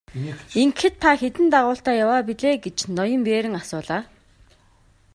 Ингэхэд та хэдэн дагуултай яваа билээ гэж ноён Берн асуулаа.